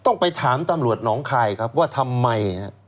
ต้องไปถามตำรวจหนองคายครับว่าทำไม